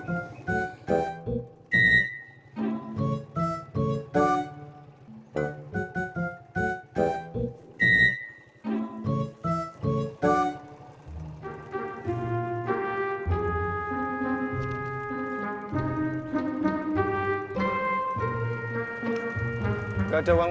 enggak ada uang pas aja ada tapi udah buat beli bubur bang